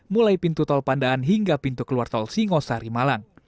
mulai pintu tol pandaan hingga pintu keluar tol singosari malang